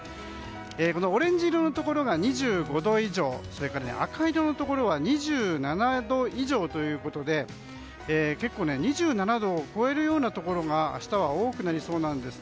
オレンジ色のところが２５度以上赤色のところは２７度以上ということで結構、２７度を超えるようなところが明日は多くなりそうなんです。